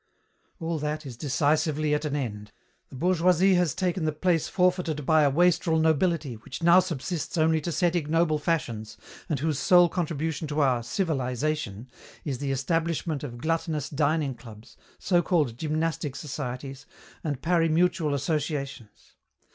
"All that is decisively at an end. The bourgeoise has taken the place forfeited by a wastrel nobility which now subsists only to set ignoble fashions and whose sole contribution to our 'civilization' is the establishment of gluttonous dining clubs, so called gymnastic societies, and pari mutuel associations.